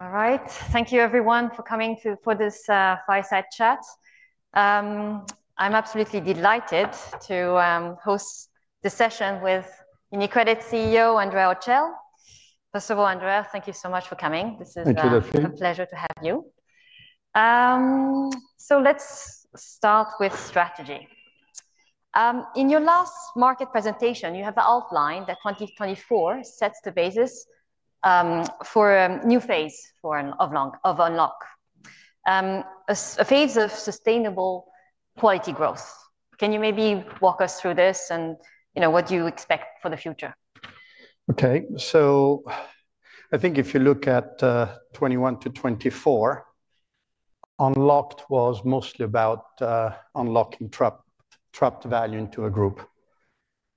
All right, thank you everyone for coming for this fireside chat. I'm absolutely delighted to host the session with UniCredit CEO, Andrea Orcel. First of all, Andrea, thank you so much for coming. This is a pleasure to have you. So let's start with strategy. In your last market presentation, you have outlined that 2024 sets the basis for a new phase of Unlock, a phase of sustainable quality growth. Can you maybe walk us through this and what do you expect for the future? Okay, so I think if you look at 2021-2024, Unlocked was mostly about unlocking trapped value into a group,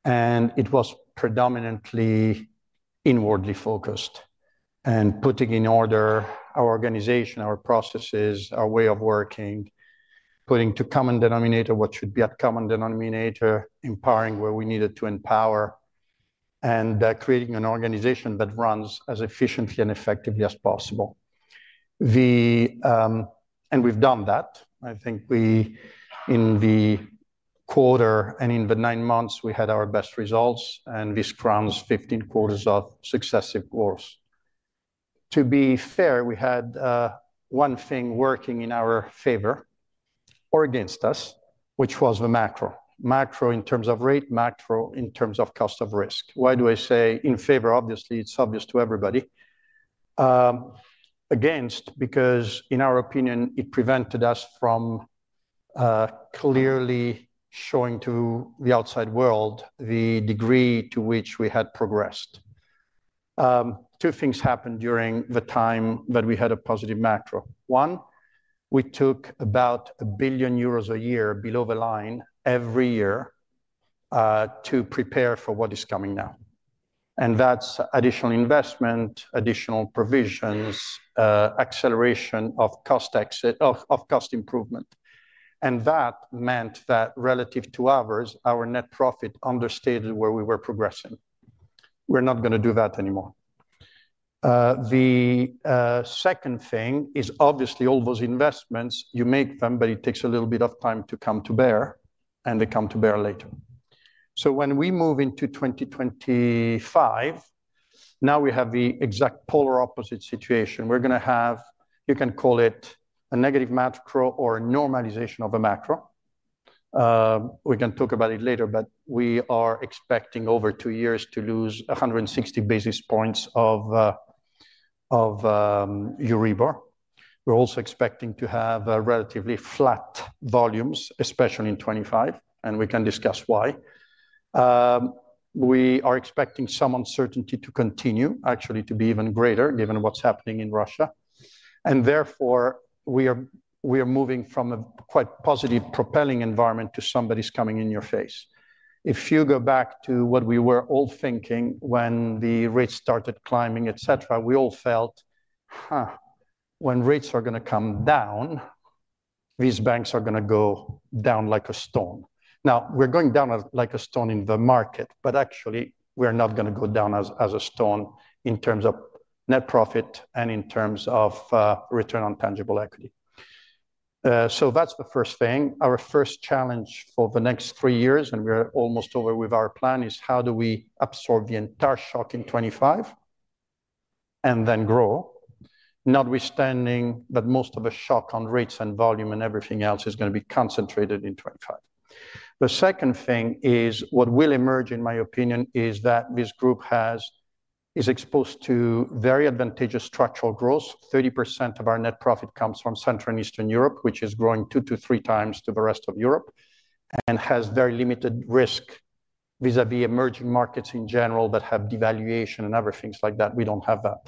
and it was predominantly inwardly focused and putting in order our organization, our processes, our way of working, putting to common denominator what should be a common denominator, empowering where we needed to empower, and creating an organization that runs as efficiently and effectively as possible, and we've done that. I think in the quarter and in the nine months, we had our best results, and this crowns 15 quarters of successive growth. To be fair, we had one thing working in our favor or against us, which was the macro, macro in terms of rate, macro in terms of cost of risk. Why do I say in favor? Obviously, it's obvious to everybody. Against, because in our opinion, it prevented us from clearly showing to the outside world the degree to which we had progressed. Two things happened during the time that we had a positive macro. One, we took about 1 billion euros a year below the line every year to prepare for what is coming now, and that's additional investment, additional provisions, acceleration of cost improvement, and that meant that relative to ours, our net profit understated where we were progressing. We're not going to do that anymore. The second thing is obviously all those investments, you make them, but it takes a little bit of time to come to bear, and they come to bear later, so when we move into 2025, now we have the exact polar opposite situation. We're going to have, you can call it a negative macro or a normalization of a macro. We can talk about it later, but we are expecting over two years to lose 160 basis points of EURIBOR. We're also expecting to have relatively flat volumes, especially in 2025, and we can discuss why. We are expecting some uncertainty to continue, actually to be even greater given what's happening in Russia, and therefore, we are moving from a quite positive propelling environment to somebody's coming in your face. If you go back to what we were all thinking when the rates started climbing, et cetera, we all felt, huh, when rates are going to come down, these banks are going to go down like a stone. Now, we're going down like a stone in the market, but actually, we're not going to go down as a stone in terms of net profit and in terms of return on tangible equity, so that's the first thing. Our first challenge for the next three years, and we're almost over with our plan, is how do we absorb the entire shock in 2025 and then grow, notwithstanding that most of the shock on rates and volume and everything else is going to be concentrated in 2025. The second thing is what will emerge, in my opinion, is that this group is exposed to very advantageous structural growth. 30% of our net profit comes from Central and Eastern Europe, which is growing two to three times to the rest of Europe and has very limited risk vis-à-vis emerging markets in general that have devaluation and other things like that. We don't have that.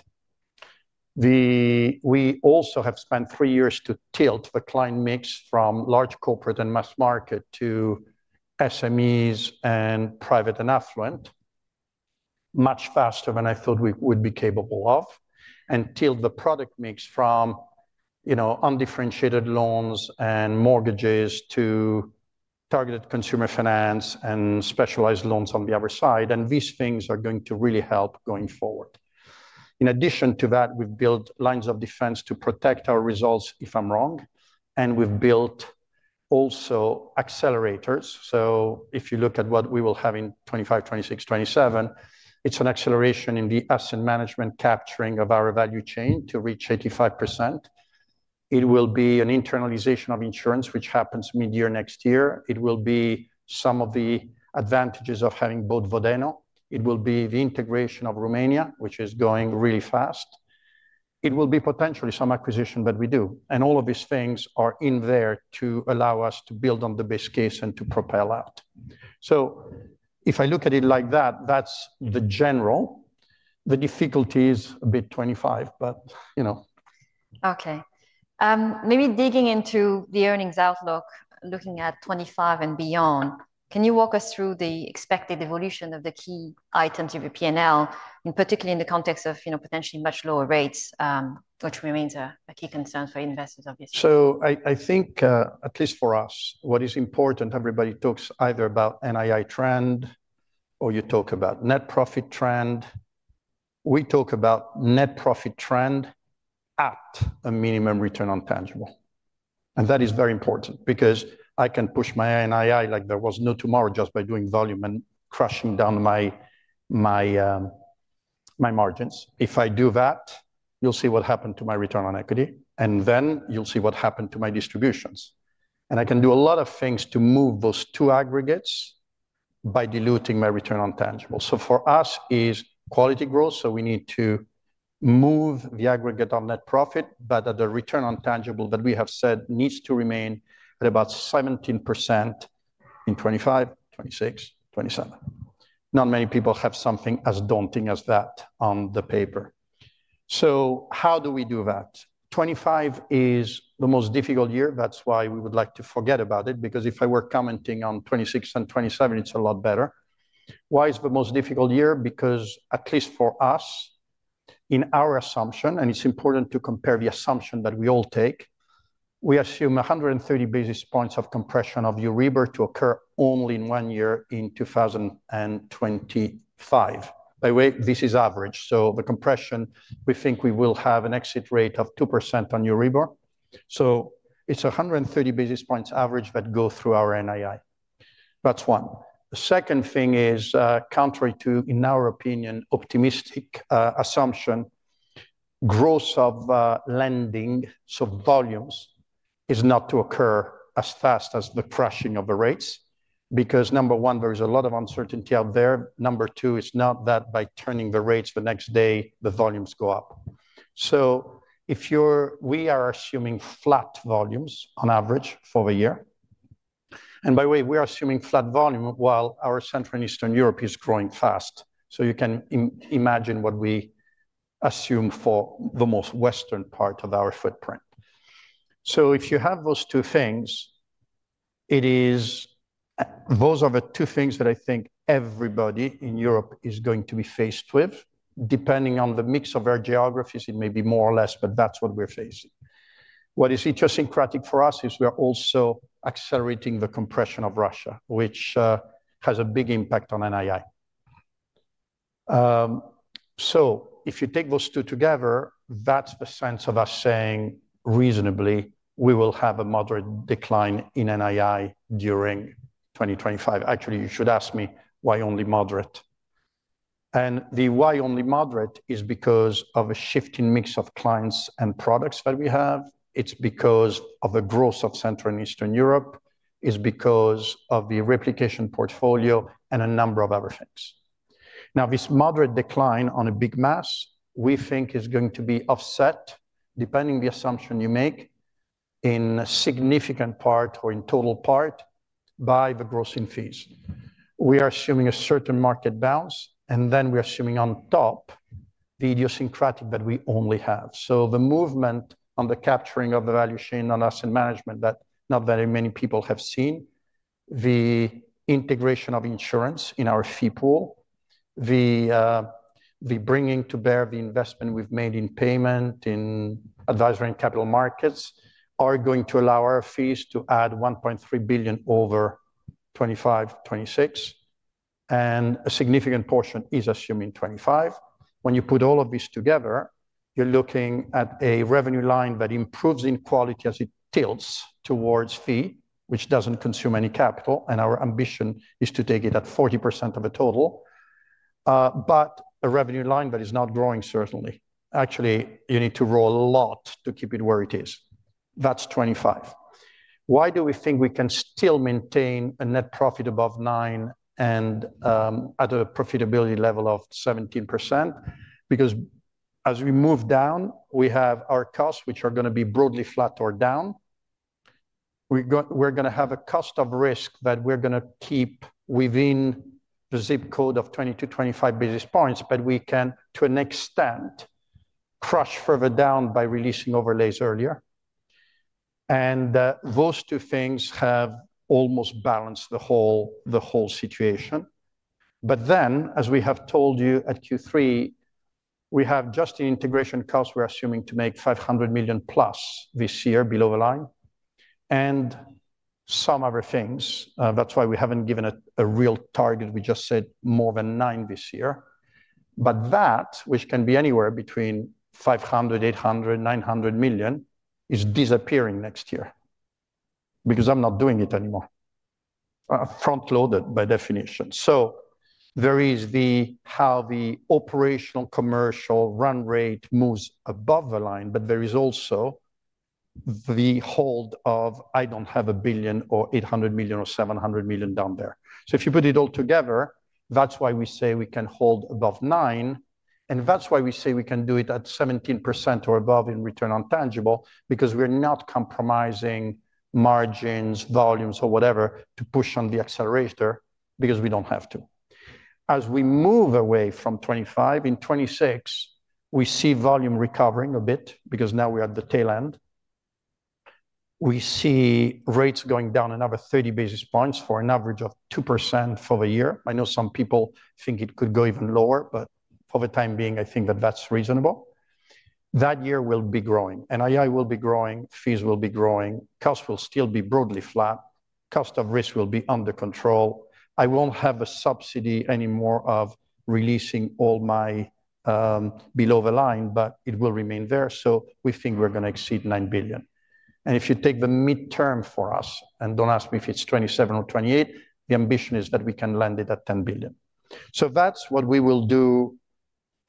We also have spent three years to tilt the client mix from large corporate and mass market to SMEs and private and affluent much faster than I thought we would be capable of, and tilt the product mix from undifferentiated loans and mortgages to targeted consumer finance and specialized loans on the other side, and these things are going to really help going forward. In addition to that, we've built lines of defense to protect our results, if I'm wrong, and we've built also accelerators, so if you look at what we will have in 2025, 2026, 2027, it's an acceleration in the asset management capturing of our value chain to reach 85%. It will be an internalization of insurance, which happens mid-year next year. It will be some of the advantages of having bought Vodeno. It will be the integration of Romania, which is going really fast. It will be potentially some acquisition that we do. And all of these things are in there to allow us to build on the base case and to propel out. So if I look at it like that, that's the general. The difficulty is a bit 2025, but you know. Okay. Maybe digging into the earnings outlook, looking at 2025 and beyond, can you walk us through the expected evolution of the key items of the P&L, in particular in the context of potentially much lower rates, which remains a key concern for investors, obviously? So I think, at least for us, what is important. Everybody talks either about NII trend or you talk about net profit trend. We talk about net profit trend at a minimum return on tangible. And that is very important because I can push my NII like there was no tomorrow just by doing volume and crushing down my margins. If I do that, you'll see what happened to my return on equity, and then you'll see what happened to my distributions. And I can do a lot of things to move those two aggregates by diluting my return on tangible. For us, it's quality growth. We need to move the aggregate on net profit, but at the return on tangible that we have said needs to remain at about 17% in 2025, 2026, 2027. Not many people have something as daunting as that on the paper. So how do we do that? 2025 is the most difficult year. That's why we would like to forget about it, because if I were commenting on 2026 and 2027, it's a lot better. Why is it the most difficult year? Because at least for us, in our assumption, and it's important to compare the assumption that we all take, we assume 130 basis points of compression of EURIBOR to occur only in one year in 2025. By the way, this is average. So the compression, we think we will have an exit rate of 2% on EURIBOR. So it's 130 basis points average that go through our NII. That's one. The second thing is, contrary to, in our opinion, optimistic assumption, growth of lending, so volumes, is not to occur as fast as the crushing of the rates, because number one, there is a lot of uncertainty out there. Number two, it's not that by turning the rates the next day, the volumes go up. So we are assuming flat volumes on average for the year. And by the way, we are assuming flat volume while our Central and Eastern Europe is growing fast. You can imagine what we assume for the most Western part of our footprint. If you have those two things, those are the two things that I think everybody in Europe is going to be faced with. Depending on the mix of our geographies, it may be more or less, but that's what we're facing. What is idiosyncratic for us is we're also accelerating the compression of Russia, which has a big impact on NII. If you take those two together, that's the sense of us saying reasonably, we will have a moderate decline in NII during 2025. Actually, you should ask me why only moderate. And the why only moderate is because of a shift in mix of clients and products that we have. It's because of the growth of Central and Eastern Europe. It's because of the replication portfolio and a number of other things. Now, this moderate decline on a big mass, we think, is going to be offset, depending on the assumption you make, in a significant part or in total part by the growing fees. We are assuming a certain market bounce, and then we're assuming on top the idiosyncratic that we only have. So the movement on the capturing of the value chain on asset management that not very many people have seen, the integration of insurance in our fee pool, the bringing to bear the investment we've made in payment, in advisory and capital markets, are going to allow our fees to add 1.3 billion over 2025-2026. And a significant portion is assumed in 2025. When you put all of these together, you're looking at a revenue line that improves in quality as it tilts towards fee, which doesn't consume any capital. And our ambition is to take it at 40% of the total, but a revenue line that is not growing, certainly. Actually, you need to roll a lot to keep it where it is. That's 2025. Why do we think we can still maintain a net profit above nine and at a profitability level of 17%? Because as we move down, we have our costs, which are going to be broadly flat or down. We're going to have a cost of risk that we're going to keep within the zip code of 22, 25 basis points, but we can, to an extent, crush further down by releasing overlays earlier. And those two things have almost balanced the whole situation. But then, as we have told you at Q3, we have just the integration costs we're assuming to make 500 million plus this year below the line and some other things. That's why we haven't given it a real target. We just said more than nine this year. But that, which can be anywhere between 500 million, 800 million, 900 million, is disappearing next year because I'm not doing it anymore. Front-loaded by definition. So there is how the operational commercial run rate moves above the line, but there is also the hold of I don't have 1 billion or 800 million or 700 million down there. So if you put it all together, that's why we say we can hold above nine. And that's why we say we can do it at 17% or above in return on tangible, because we're not compromising margins, volumes, or whatever to push on the accelerator because we don't have to. As we move away from 2025, in 2026, we see volume recovering a bit because now we're at the tail end. We see rates going down another 30 basis points for an average of 2% for the year. I know some people think it could go even lower, but for the time being, I think that that's reasonable. That year will be growing. NII will be growing. Fees will be growing. Costs will still be broadly flat. Cost of risk will be under control. I won't have a subsidy anymore of releasing all my below the line, but it will remain there. So we think we're going to exceed 9 billion. And if you take the midterm for us, and don't ask me if it's 2027 or 2028, the ambition is that we can land it at 10 billion. So that's what we will do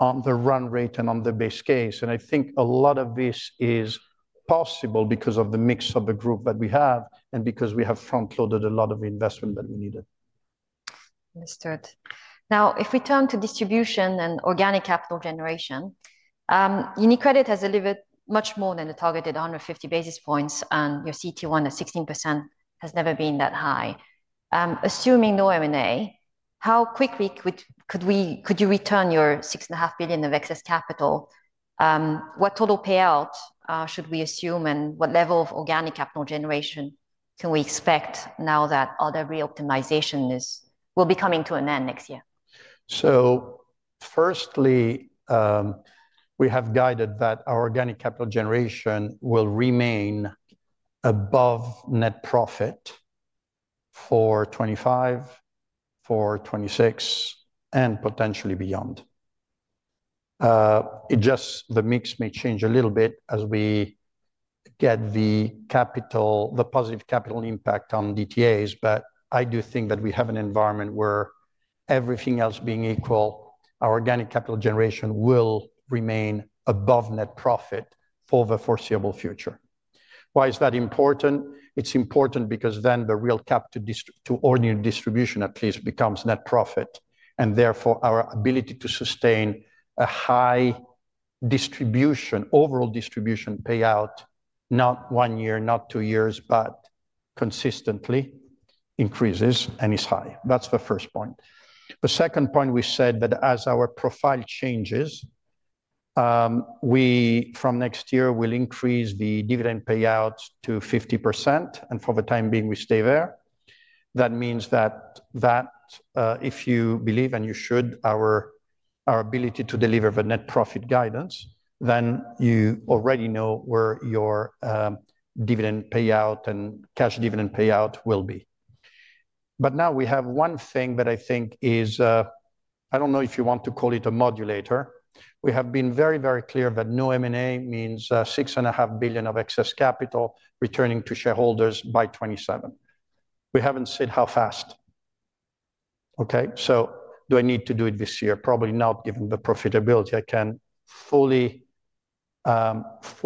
on the run rate and on the base case. And I think a lot of this is possible because of the mix of the group that we have and because we have front-loaded a lot of investment that we needed. Understood. Now, if we turn to distribution and organic capital generation, UniCredit has delivered much more than the targeted 150 basis points, and your CET1 at 16% has never been that high. Assuming no M&A, how quickly could you return your 6.5 billion of excess capital? What total payout should we assume, and what level of organic capital generation can we expect now that all the reoptimization will be coming to an end next year? So firstly, we have guided that our organic capital generation will remain above net profit for 2025, for 2026, and potentially beyond. It just, the mix may change a little bit as we get the positive capital impact on DTAs, but I do think that we have an environment where everything else being equal, our organic capital generation will remain above net profit for the foreseeable future. Why is that important? It's important because then the real cap to ordinary distribution at least becomes net profit, and therefore our ability to sustain a high distribution, overall distribution payout, not one year, not two years, but consistently increases and is high. That's the first point. The second point we said that as our profile changes, from next year, we'll increase the dividend payout to 50%, and for the time being, we stay there. That means that if you believe, and you should, our ability to deliver the net profit guidance, then you already know where your dividend payout and cash dividend payout will be. But now we have one thing that I think is, I don't know if you want to call it a modulator. We have been very, very clear that no M&A means 6.5 billion of excess capital returning to shareholders by 2027. We haven't said how fast. Okay? So do I need to do it this year? Probably not, given the profitability. I can fully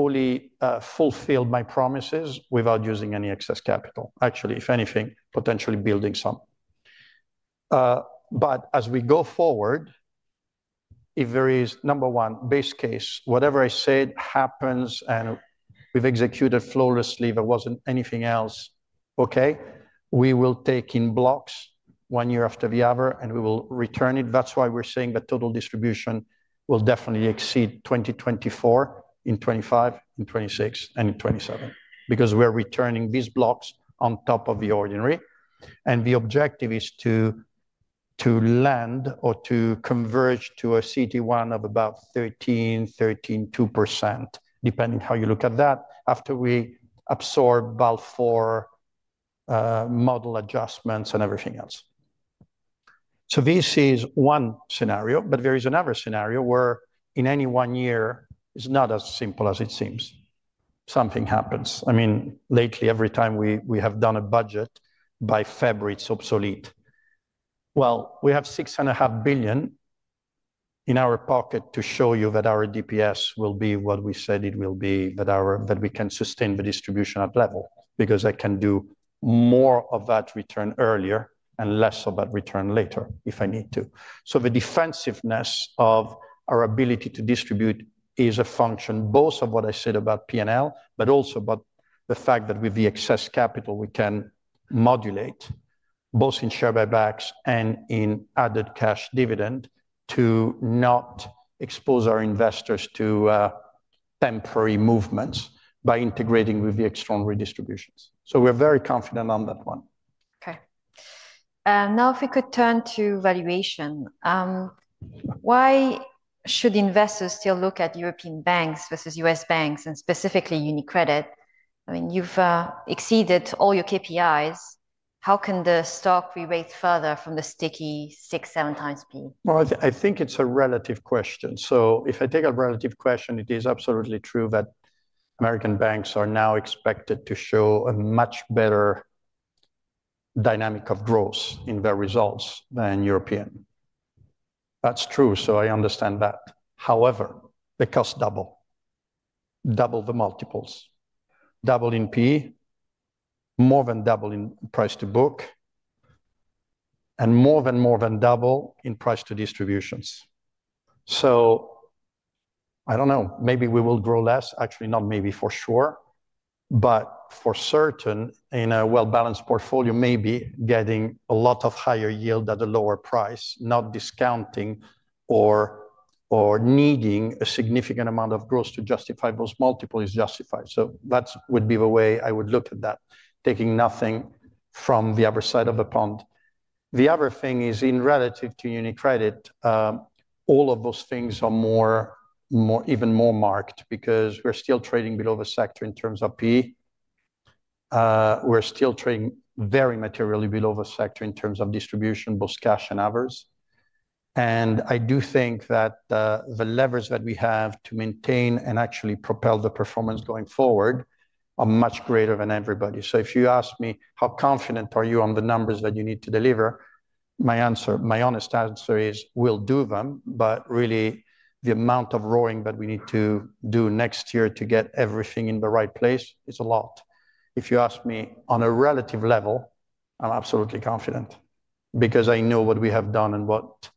fulfill my promises without using any excess capital. Actually, if anything, potentially building some. But as we go forward, if there is, number one, base case, whatever I said happens and we've executed flawlessly, there wasn't anything else, okay, we will take in blocks one year after the other, and we will return it. That's why we're saying that total distribution will definitely exceed 2024 in 2025, in 2026, and in 2027, because we're returning these blocks on top of the ordinary. And the objective is to land or to converge to a CET1 of about 13%, 13.2%, depending on how you look at that, after we absorb about four model adjustments and everything else. So this is one scenario, but there is another scenario where in any one year, it's not as simple as it seems. Something happens. I mean, lately, every time we have done a budget, by February, it's obsolete. Well, we have 6.5 billion in our pocket to show you that our DPS will be what we said it will be, that we can sustain the distribution at level, because I can do more of that return earlier and less of that return later if I need to. So the defensiveness of our ability to distribute is a function both of what I said about P&L, but also about the fact that with the excess capital, we can modulate both in share buybacks and in added cash dividend to not expose our investors to temporary movements by integrating with the external redistributions. So we're very confident on that one. Okay. Now, if we could turn to valuation, why should investors still look at European banks versus U.S. banks and specifically UniCredit? I mean, you've exceeded all your KPIs. How can the stock be raised further from the sticky six, seven times P/E? I think it's a relative question. So if I take a relative question, it is absolutely true that American banks are now expected to show a much better dynamic of growth in their results than European. That's true, so I understand that. However, the cost doubled. Doubled the multiples. Doubled in P/E, more than doubled in price to book, and more than doubled in price to distributions. So I don't know, maybe we will grow less. Actually, not maybe for sure, but for certain, in a well-balanced portfolio, maybe getting a lot of higher yield at a lower price, not discounting or needing a significant amount of growth to justify those multiples is justified. So that would be the way I would look at that, taking nothing from the other side of the pond. The other thing is, in relative to UniCredit, all of those things are even more marked because we're still trading below the sector in terms of P/E. We're still trading very materially below the sector in terms of distribution, both cash and others. And I do think that the levers that we have to maintain and actually propel the performance going forward are much greater than everybody. So if you ask me how confident are you on the numbers that you need to deliver, my honest answer is we'll do them, but really, the amount of rowing that we need to do next year to get everything in the right place is a lot. If you ask me on a relative level, I'm absolutely confident because I know what we have done and what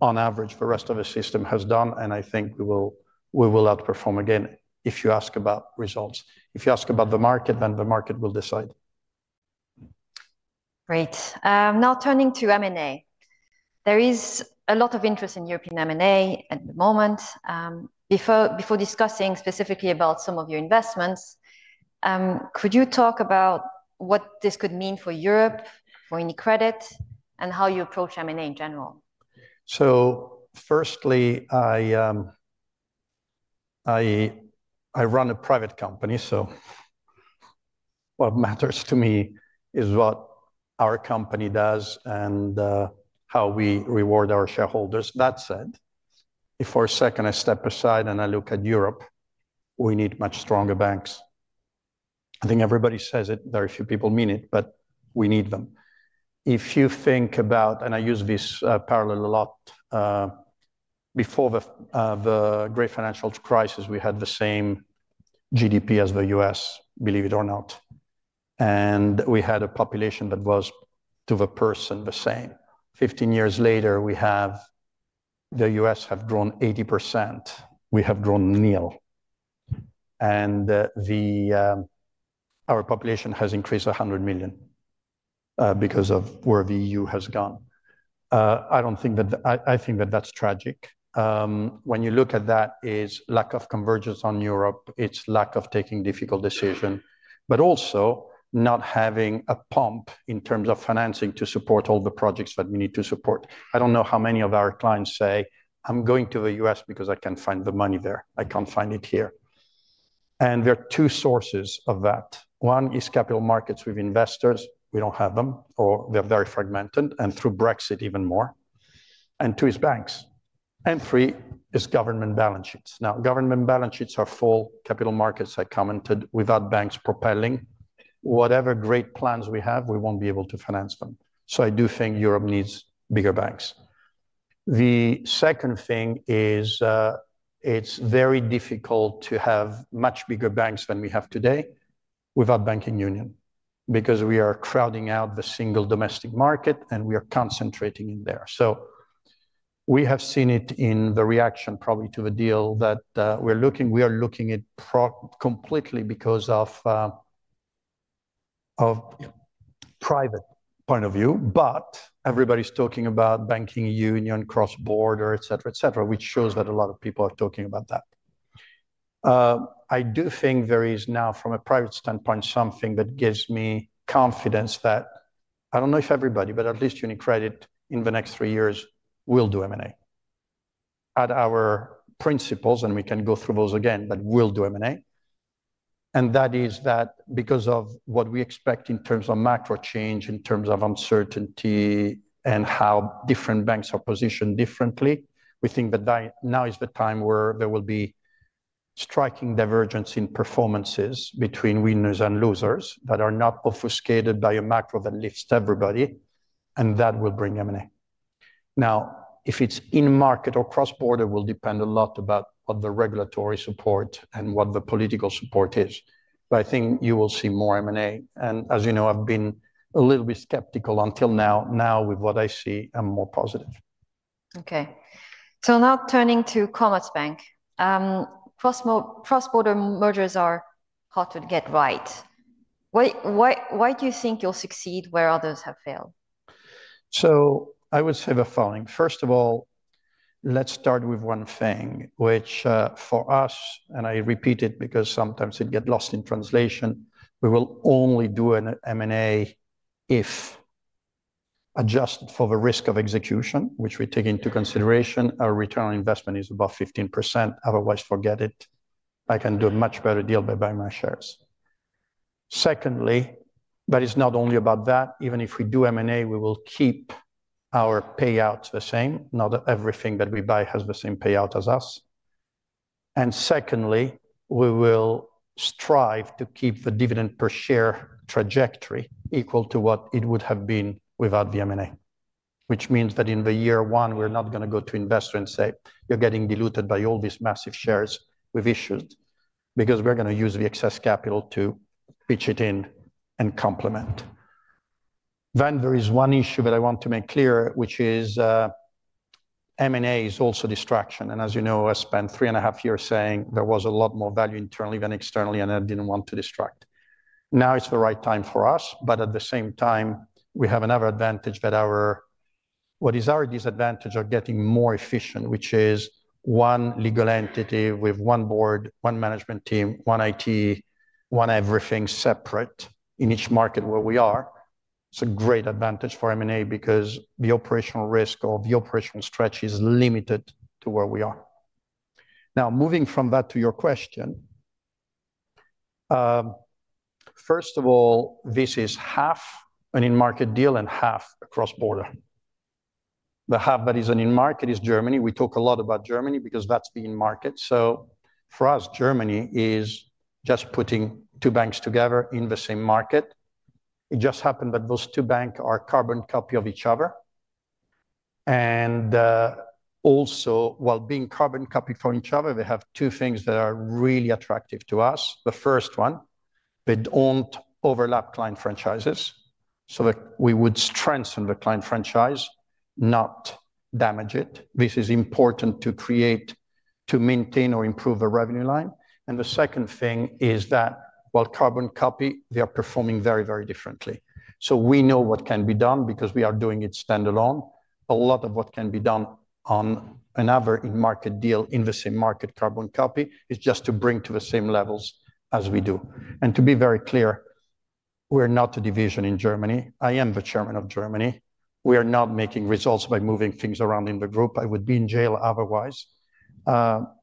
on average the rest of the system has done, and I think we will outperform again if you ask about results. If you ask about the market, then the market will decide. Great. Now, turning to M&A. There is a lot of interest in European M&A at the moment. Before discussing specifically about some of your investments, could you talk about what this could mean for Europe, for UniCredit, and how you approach M&A in general? So firstly, I run a private company, so what matters to me is what our company does and how we reward our shareholders. That said, if for a second I step aside and I look at Europe, we need much stronger banks. I think everybody says it, very few people mean it, but we need them. If you think about, and I use this parallel a lot, before the Great Financial Crisis, we had the same GDP as the U.S., believe it or not, and we had a population that was to the person the same. 15 years later, the U.S. has grown 80%. We have grown nil. And our population has increased 100 million because of where the E.U. has gone. I think that that's tragic. When you look at that, it's lack of convergence on Europe. It's the lack of taking difficult decisions, but also not having a pump in terms of financing to support all the projects that we need to support. I don't know how many of our clients say, "I'm going to the U.S. because I can't find the money there. I can't find it here." And there are two sources of that. One is capital markets with investors. We don't have them, or they're very fragmented, and through Brexit, even more. And two is banks. And three is government balance sheets. Now, government balance sheets are full. Capital markets, I commented, without banks propelling. Whatever great plans we have, we won't be able to finance them. So I do think Europe needs bigger banks. The second thing is it's very difficult to have much bigger banks than we have today without Banking Union because we are crowding out the single domestic market, and we are concentrating in there. So we have seen it in the reaction probably to the deal that we're looking at completely because of a private point of view, but everybody's talking about Banking Union, cross-border, et cetera, et cetera, which shows that a lot of people are talking about that. I do think there is now, from a private standpoint, something that gives me confidence that I don't know if everybody, but at least UniCredit in the next three years will do M&A. At our principles, and we can go through those again, that we'll do M&A. And that is that because of what we expect in terms of macro change, in terms of uncertainty, and how different banks are positioned differently, we think that now is the time where there will be striking divergence in performances between winners and losers that are not obfuscated by a macro that lifts everybody, and that will bring M&A. Now, if it's in market or cross-border, it will depend a lot on what the regulatory support and what the political support is. But I think you will see more M&A. And as you know, I've been a little bit skeptical until now. Now, with what I see, I'm more positive. Okay. So now turning to Commerzbank, cross-border mergers are hard to get right. Why do you think you'll succeed where others have failed? I would say the following. First of all, let's start with one thing, which for us, and I repeat it because sometimes it gets lost in translation, we will only do an M&A if adjusted for the risk of execution, which we take into consideration. Our return on investment is about 15%. Otherwise, forget it. I can do a much better deal by buying my shares. Secondly, but it's not only about that. Even if we do M&A, we will keep our payouts the same, not everything that we buy has the same payout as us. Secondly, we will strive to keep the dividend per share trajectory equal to what it would have been without the M&A, which means that in the year one, we're not going to go to investor and say, "You're getting diluted by all these massive shares we've issued," because we're going to use the excess capital to pitch it in and complement. Then there is one issue that I want to make clear, which is M&A is also distraction. As you know, I spent three and a half years saying there was a lot more value internally than externally, and I didn't want to distract. Now it's the right time for us, but at the same time, we have another advantage that our what is our disadvantage of getting more efficient, which is one legal entity with one board, one management team, one IT, one everything separate in each market where we are. It's a great advantage for M&A because the operational risk or the operational stretch is limited to where we are. Now, moving from that to your question, first of all, this is half an in-market deal and half a cross-border. The half that is an in-market is Germany. We talk a lot about Germany because that's the in-market. So for us, Germany is just putting two banks together in the same market. It just happened that those two banks are carbon copies of each other. And also, while being carbon copies for each other, they have two things that are really attractive to us. The first one, they don't overlap client franchises, so that we would strengthen the client franchise, not damage it. This is important to create, to maintain or improve the revenue line. And the second thing is that while carbon copy, they are performing very, very differently. So we know what can be done because we are doing it standalone. A lot of what can be done on another in-market deal, in the same market, carbon copy, is just to bring to the same levels as we do. And to be very clear, we're not a division in Germany. I am the chairman of Germany. We are not making results by moving things around in the group. I would be in jail otherwise.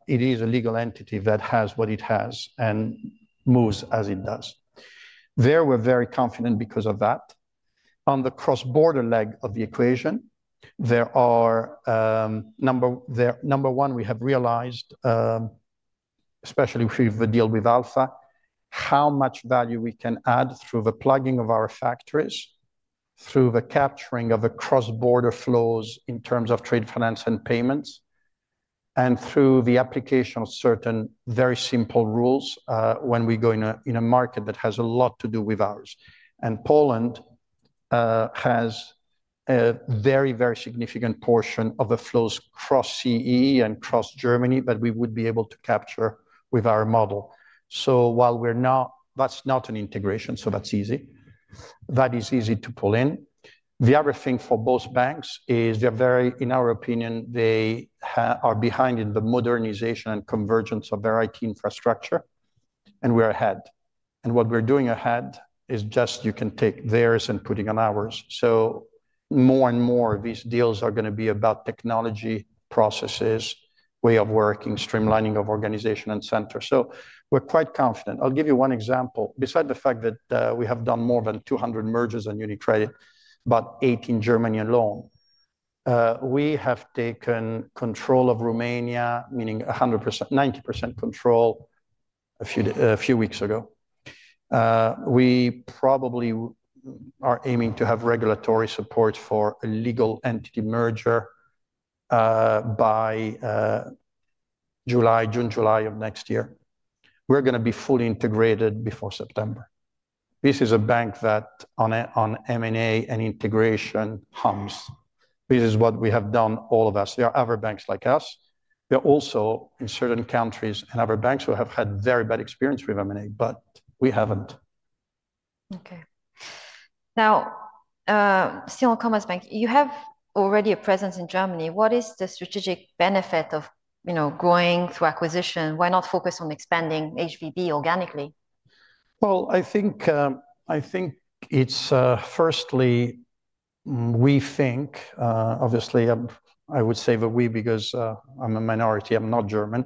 It is a legal entity that has what it has and moves as it does. There, we're very confident because of that. On the cross-border leg of the equation, there are, number one, we have realized, especially if we deal with Alpha, how much value we can add through the plugging of our factories, through the capturing of the cross-border flows in terms of trade finance and payments, and through the application of certain very simple rules when we go in a market that has a lot to do with ours, and Poland has a very, very significant portion of the flows cross CEE and cross Germany that we would be able to capture with our model, so while we're not, that's not an integration, so that's easy. That is easy to pull in. The other thing for both banks is they're very, in our opinion, they are behind in the modernization and convergence of their IT infrastructure, and we're ahead. And what we're doing ahead is just you can take theirs and put it on ours. So more and more, these deals are going to be about technology processes, way of working, streamlining of organization and center. So we're quite confident. I'll give you one example. Besides the fact that we have done more than 200 mergers on UniCredit, about 80 in Germany alone, we have taken control of Romania, meaning 90% control a few weeks ago. We probably are aiming to have regulatory support for a legal entity merger by June, July of next year. We're going to be fully integrated before September. This is a bank that on M&A and integration hums. This is what we have done, all of us. There are other banks like us. There are also in certain countries and other banks who have had very bad experience with M&A, but we haven't. Okay. Now, still on Commerzbank, you have already a presence in Germany. What is the strategic benefit of growing through acquisition? Why not focus on expanding HVB organically? I think it's firstly we think, obviously. I would say that we, because I'm a minority, I'm not German,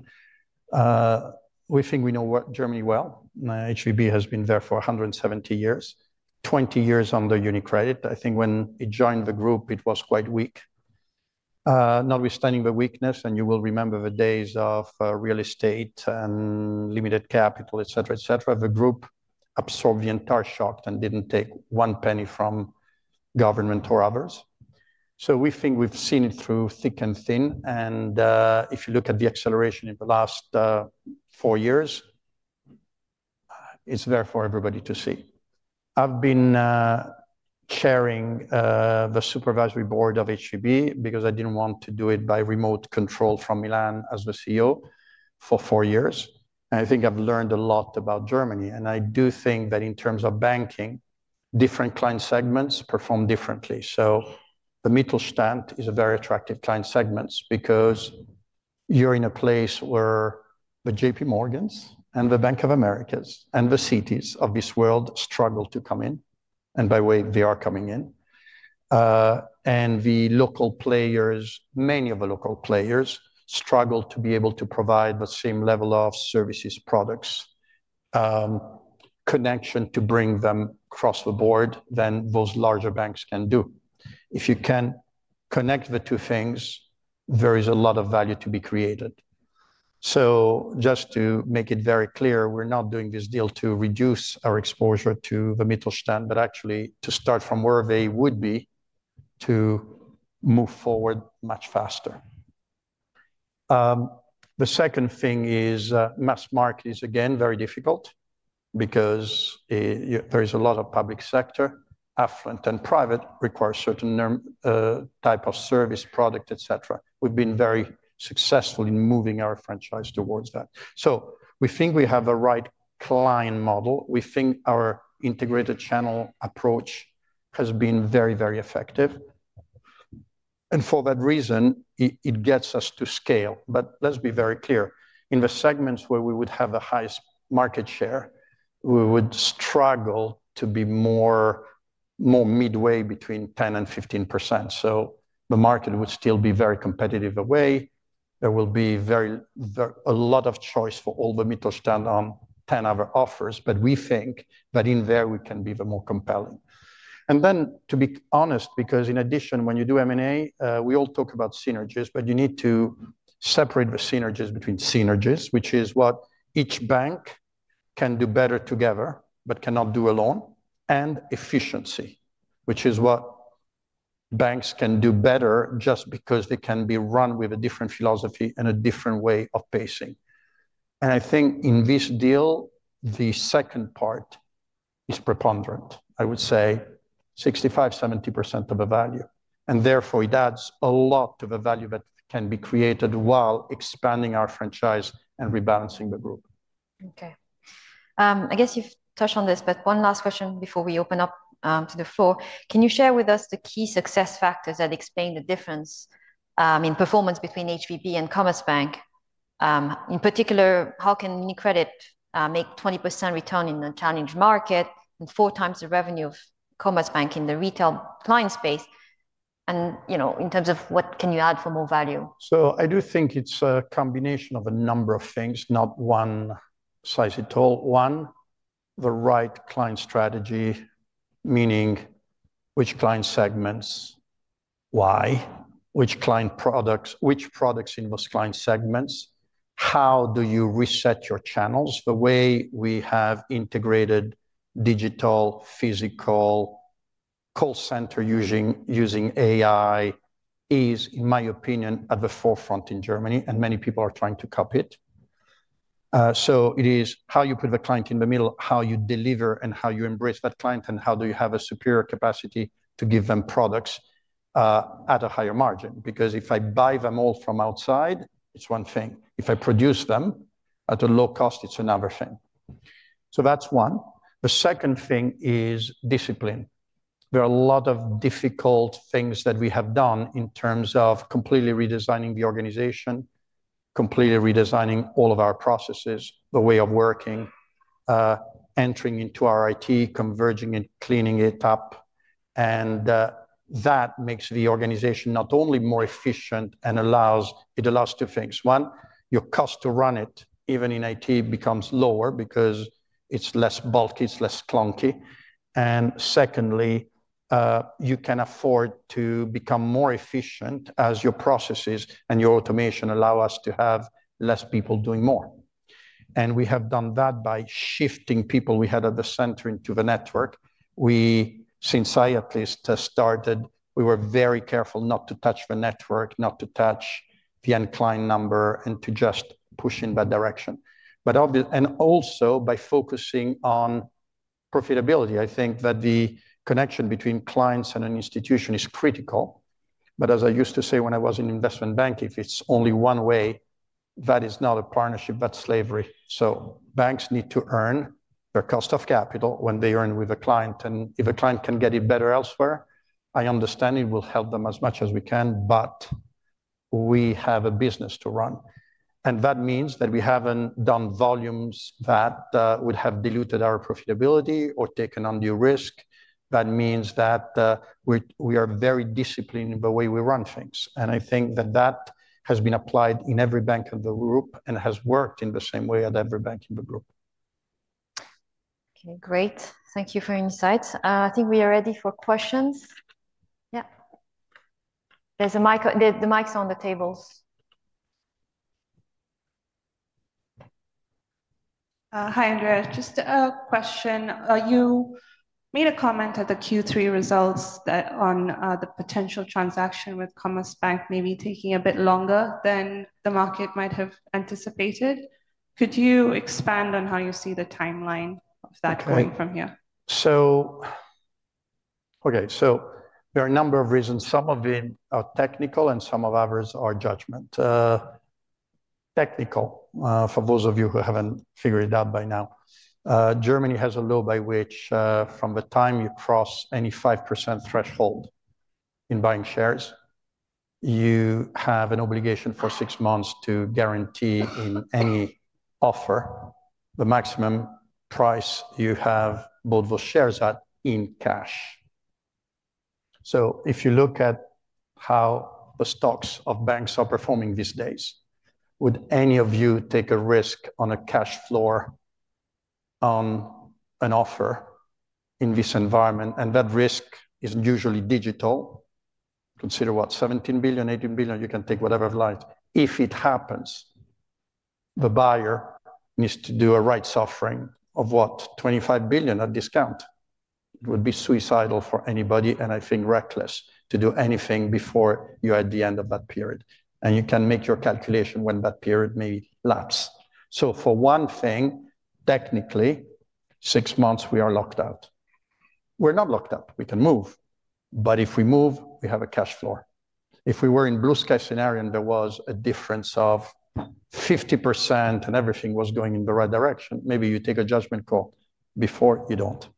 we think we know Germany well. HVB has been there for 170 years, 20 years under UniCredit. I think when it joined the group, it was quite weak. Notwithstanding the weakness, and you will remember the days of real estate and limited capital, et cetera, et cetera, the group absorbed the entire shock and didn't take one penny from government or others. We think we've seen it through thick and thin. If you look at the acceleration in the last four years, it's there for everybody to see. I've been chairing the supervisory board of HVB because I didn't want to do it by remote control from Milan as the CEO for four years. I think I've learned a lot about Germany. And I do think that in terms of banking, different client segments perform differently. So the Mittelstand is a very attractive client segment because you're in a place where the JPMorgans and the Bank of Americas and the Citis of this world struggle to come in. And by the way, they are coming in. And the local players, many of the local players, struggle to be able to provide the same level of services, products, connection to bring them across the board than those larger banks can do. If you can connect the two things, there is a lot of value to be created. So just to make it very clear, we're not doing this deal to reduce our exposure to the Mittelstand, but actually to start from where they would be to move forward much faster. The second thing is mass market is again very difficult because there is a lot of public sector, affluent and private, requires certain type of service, product, et cetera. We've been very successful in moving our franchise towards that. So we think we have the right client model. We think our integrated channel approach has been very, very effective. And for that reason, it gets us to scale. But let's be very clear. In the segments where we would have the highest market share, we would struggle to be more midway between 10%-15%. So the market would still be very competitive away. There will be a lot of choice for all the Mittelstand on 10 other offers, but we think that in there, we can be the more compelling. And then, to be honest, because in addition, when you do M&A, we all talk about synergies, but you need to separate the synergies between synergies, which is what each bank can do better together, but cannot do alone, and efficiency, which is what banks can do better just because they can be run with a different philosophy and a different way of pacing. And I think in this deal, the second part is preponderant. I would say 65%-70% of the value. And therefore, it adds a lot of the value that can be created while expanding our franchise and rebalancing the group. Okay. I guess you've touched on this, but one last question before we open up to the floor. Can you share with us the key success factors that explain the difference in performance between HVB and Commerzbank? In particular, how can UniCredit make 20% return in a challenged market and four times the revenue of Commerzbank in the retail client space? And in terms of what can you add for more value? So I do think it's a combination of a number of things, not one size fits all. One, the right client strategy, meaning which client segments, why, which client products, which products in those client segments, how do you reset your channels. The way we have integrated digital, physical call center using AI is, in my opinion, at the forefront in Germany, and many people are trying to copy it. So it is how you put the client in the middle, how you deliver and how you embrace that client, and how do you have a superior capacity to give them products at a higher margin? Because if I buy them all from outside, it's one thing. If I produce them at a low cost, it's another thing. So that's one. The second thing is discipline. There are a lot of difficult things that we have done in terms of completely redesigning the organization, completely redesigning all of our processes, the way of working, entering into our IT, converging and cleaning it up, and that makes the organization not only more efficient, but it allows two things. One, your cost to run it, even in IT, becomes lower because it's less bulky, it's less clunky, and secondly, you can afford to become more efficient as your processes and your automation allow us to have less people doing more, and we have done that by shifting people we had at the center into the network. Since I at least started, we were very careful not to touch the network, not to touch the end client number, and to just push in that direction, and also by focusing on profitability. I think that the connection between clients and an institution is critical. But as I used to say when I was in investment banking, if it's only one way, that is not a partnership, that's slavery. So banks need to earn their cost of capital when they earn with a client. And if a client can get it better elsewhere, I understand it will help them as much as we can, but we have a business to run. And that means that we haven't done volumes that would have diluted our profitability or taken on new risk. That means that we are very disciplined in the way we run things. And I think that that has been applied in every bank in the group and has worked in the same way at every bank in the group. Okay, great. Thank you for your insights. I think we are ready for questions. Yeah. There's a mic. The mic's on the tables. Hi, Andrea. Just a question. You made a comment at the Q3 results that the potential transaction with Commerzbank may be taking a bit longer than the market might have anticipated. Could you expand on how you see the timeline of that going from here? Okay, so there are a number of reasons. Some of them are technical and some of the others are judgment. The technical, for those of you who haven't figured it out by now. Germany has a law by which from the time you cross any 5% threshold in buying shares, you have an obligation for six months to guarantee in any offer the maximum price you have bought those shares at in cash. If you look at how the stocks of banks are performing these days, would any of you take a risk on a cash offer in this environment? That risk is usually material. Consider what, 17 billion-18 billion, you can take whatever you like. If it happens, the buyer needs to do a rights offering of what, 25 billion at discount. It would be suicidal for anybody and I think reckless to do anything before you're at the end of that period, and you can make your calculation when that period may lapse, so for one thing, technically, six months we are locked out. We're not locked out. We can move, but if we move, we have a cash floor. If we were in blue sky scenario and there was a difference of 50% and everything was going in the right direction, maybe you take a judgment call. Before, you don't.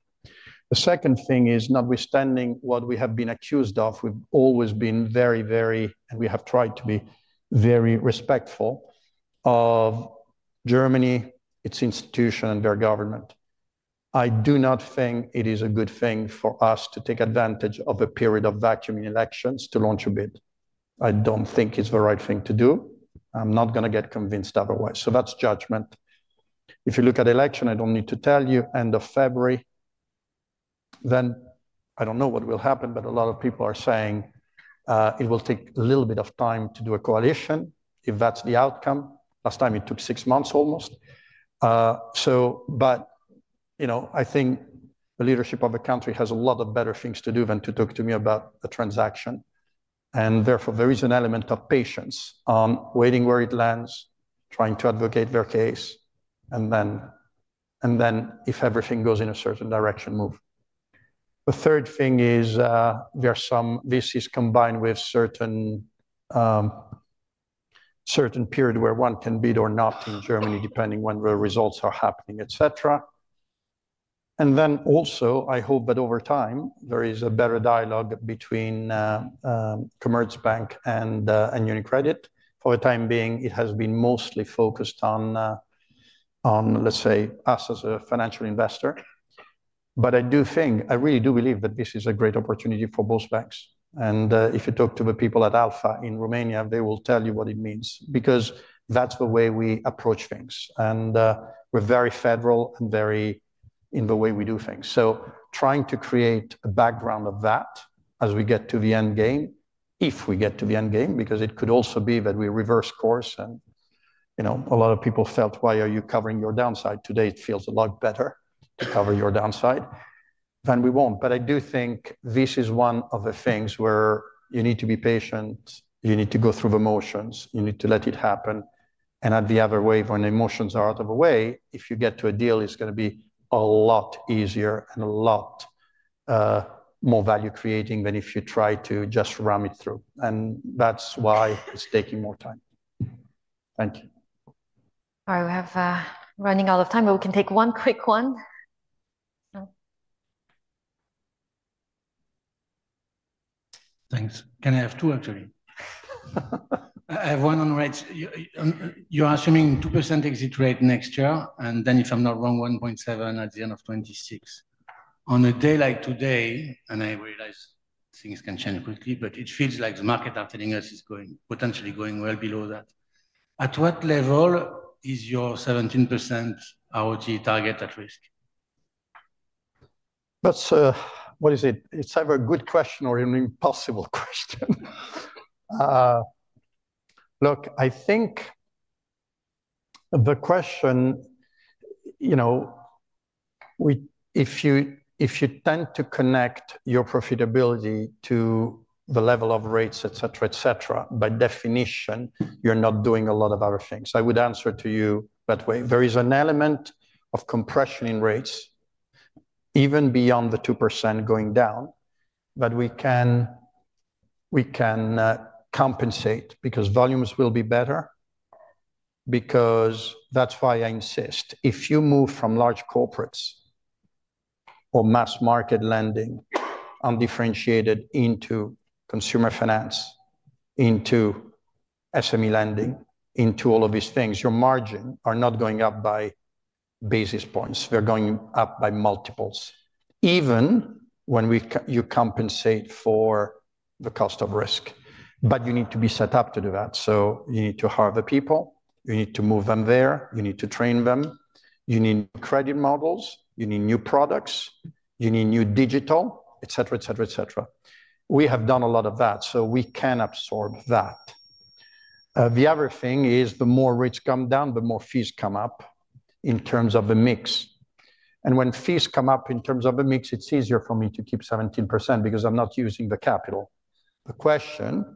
The second thing is notwithstanding what we have been accused of, we've always been very, very, and we have tried to be very respectful of Germany, its institution, and their government. I do not think it is a good thing for us to take advantage of a period of vacuum in elections to launch a bid. I don't think it's the right thing to do. I'm not going to get convinced otherwise, so that's judgment. If you look at the election, I don't need to tell you, end of February, then I don't know what will happen, but a lot of people are saying it will take a little bit of time to do a coalition if that's the outcome. Last time it took six months almost, but I think the leadership of a country has a lot of better things to do than to talk to me about a transaction, and therefore, there is an element of patience on waiting where it lands, trying to advocate their case, and then if everything goes in a certain direction, move. The third thing is there are some. This is combined with certain period where one can bid or not in Germany depending when the results are happening, et cetera, and then also, I hope that over time, there is a better dialogue between Commerzbank and UniCredit. For the time being, it has been mostly focused on, let's say, us as a financial investor, but I do think, I really do believe that this is a great opportunity for both banks, and if you talk to the people at Alpha in Romania, they will tell you what it means because that's the way we approach things, and we're very federal and very in the way we do things. So, trying to create a background of that as we get to the end game, if we get to the end game, because it could also be that we reverse course and a lot of people felt, "Why are you covering your downside?" Today, it feels a lot better to cover your downside. Then we won't. But I do think this is one of the things where you need to be patient. You need to go through the motions. You need to let it happen. And at the other wave, when emotions are out of the way, if you get to a deal, it's going to be a lot easier and a lot more value creating than if you try to just ram it through. And that's why it's taking more time. Thank you. All right, we're running out of time, but we can take one quick one. Thanks. Can I have two actually? I have one on rates. You're assuming 2% exit rate next year, and then if I'm not wrong, 1.7% at the end of 2026. On a day like today, and I realize things can change quickly, but it feels like the market are telling us it's going potentially well below that. At what level is your 17% RoTE target at risk? That's a, what is it? It's either a good question or an impossible question. Look, I think the question, if you tend to connect your profitability to the level of rates, et cetera, et cetera, by definition, you're not doing a lot of other things. I would answer to you that way. There is an element of compression in rates, even beyond the 2% going down, but we can compensate because volumes will be better, because that's why I insist. If you move from large corporates or mass market lending undifferentiated into consumer finance, into SME lending, into all of these things, your margin are not going up by basis points. They're going up by multiples. Even when you compensate for the cost of risk, but you need to be set up to do that. So you need to harbor people. You need to move them there. You need to train them. You need new credit models. You need new products. You need new digital, et cetera, et cetera, et cetera. We have done a lot of that, so we can absorb that. The other thing is the more rates come down, the more fees come up in terms of the mix. And when fees come up in terms of the mix, it's easier for me to keep 17% because I'm not using the capital. The question is,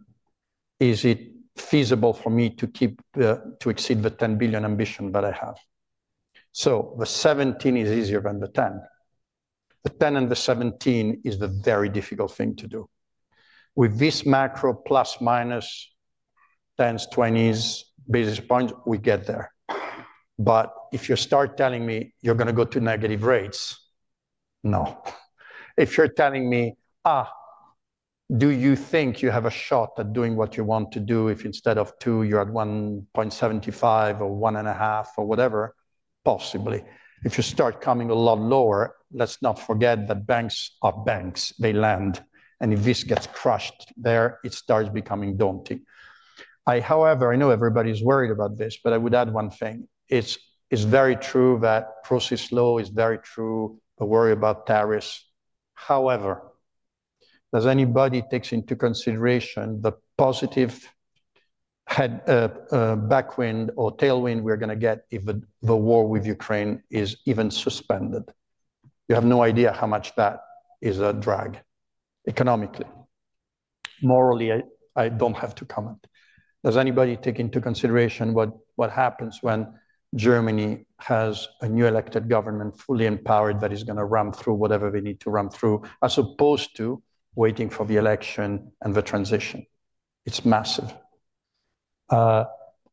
is it feasible for me to keep to exceed the 10 billion ambition that I have? So the 17 is easier than the 10. The 10 and the 17 is the very difficult thing to do. With this macro plus minus 10s, 20s basis points, we get there. But if you start telling me you're going to go to negative rates, no. If you're telling me, do you think you have a shot at doing what you want to do if instead of two, you're at 1.75 or 1.5 or whatever? Possibly. If you start coming a lot lower, let's not forget that banks are banks. They lend, and if this gets crushed there, it starts becoming daunting. I, however, know everybody's worried about this, but I would add one thing. It's very true that precedent law is very true, the worry about tariffs. However, does anybody take into consideration the positive backwind or tailwind we're going to get if the war with Ukraine is even suspended? You have no idea how much that is a drag economically. Morally, I don't have to comment. Does anybody take into consideration what happens when Germany has a new elected government fully empowered that is going to run through whatever they need to run through as opposed to waiting for the election and the transition? It's massive.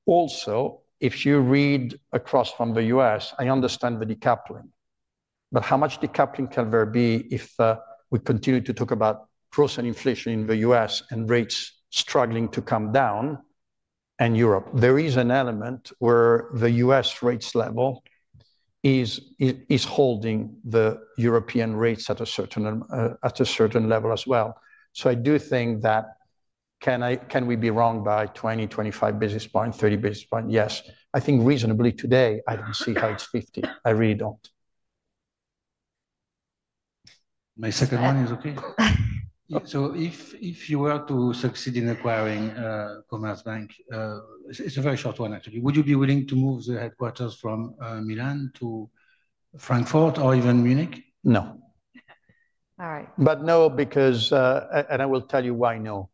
Also, if you read across from the U.S., I understand the decoupling, but how much decoupling can there be if we continue to talk about growth and inflation in the U.S. and rates struggling to come down in Europe? There is an element where the U.S. rates level is holding the European rates at a certain level as well. So I do think that can we be wrong by 20, 25 basis points, 30 basis points? Yes. I think reasonably today, I don't see how it's 50. I really don't. My second one is okay, so if you were to succeed in acquiring Commerzbank, it's a very short one actually. Would you be willing to move the headquarters from Milan to Frankfurt or even Munich? No. All right. But no, because, and I will tell you why no.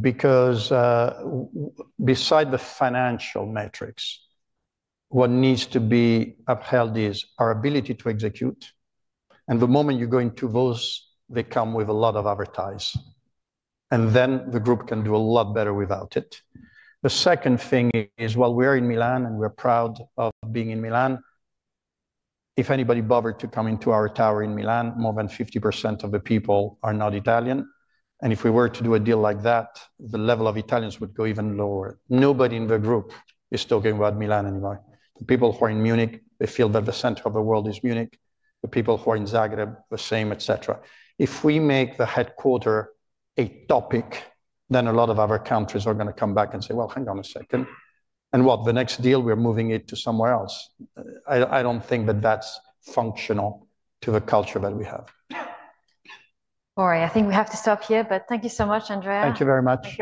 Because besides the financial metrics, what needs to be upheld is our ability to execute. And the moment you go into those, they come with a lot of adversity. And then the group can do a lot better without it. The second thing is, while we are in Milan and we're proud of being in Milan, if anybody bothered to come into our tower in Milan, more than 50% of the people are not Italian. And if we were to do a deal like that, the level of Italians would go even lower. Nobody in the group is talking about Milan anymore. The people who are in Munich, they feel that the center of the world is Munich. The people who are in Zagreb, the same, et cetera. If we make the headquarters a topic, then a lot of other countries are going to come back and say, well, hang on a second. And what, the next deal, we're moving it to somewhere else? I don't think that that's functional to the culture that we have. All right, I think we have to stop here, but thank you so much, Andrea. Thank you very much.